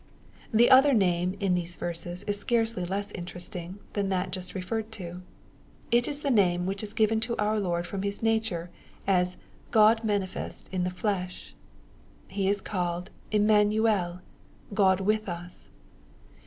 The other name in these verses is scarcely less interest ing than that just referred to. It is the name which is given to our Lord from his nature, as " God manifest in the flesh." He is called Emmanuel, " God with us."